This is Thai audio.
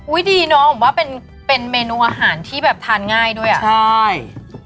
ดีเนาะผมว่าเป็นเป็นเมนูอาหารที่แบบทานง่ายด้วยอ่ะใช่